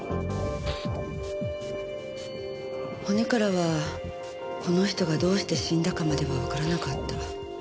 骨からはこの人がどうして死んだかまではわからなかった。